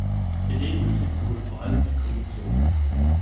Gedemütigt wurde vor allem die Kommission.